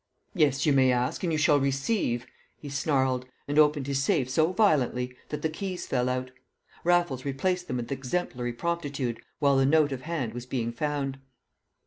"Yes, you may ask and you shall receive!" he snarled, and opened his safe so violently that the keys fell out. Raffles replaced them with exemplary promptitude while the note of hand was being found.